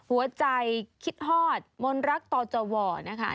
หัวใจคิดฮอดมนตร์รักต่อเจาะ